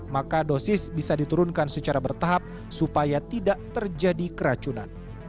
maka dosis bisa diturunkan secara bertahap supaya tidak terjadi keracunan